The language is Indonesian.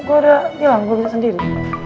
gue udah bilang gue bisa sendiri